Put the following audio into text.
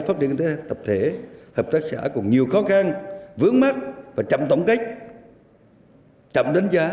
pháp lý kinh tế tập thể hợp tác xã còn nhiều khó khăn vướng mắt và chậm tổng kết chậm đánh giá